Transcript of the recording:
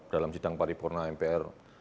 dalam sidang paripurna mpr